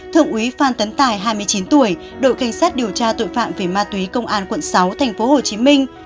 thượng úy phan tấn tài hai mươi chín tuổi đội cảnh sát điều tra tội phạm về ma túy công an quận sáu tp hcm